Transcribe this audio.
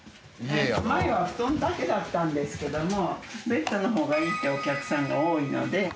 前は布団だけだったんですけどもベッドの方がいいってお客さんが多いので。